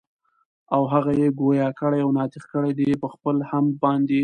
او هغه ئي ګویا کړي او ناطق کړي دي پخپل حَمد باندي